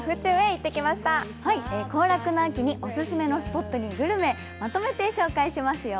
行楽の秋にオススメのスポットにグルメ、まとめて紹介しますよ。